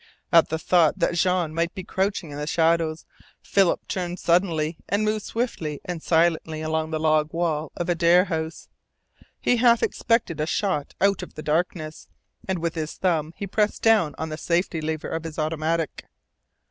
At the thought that Jean might be crouching in the shadows Philip turned suddenly and moved swiftly and silently along the log wall of Adare House. He half expected a shot out of the darkness, and with his thumb he pressed down the safety lever of his automatic.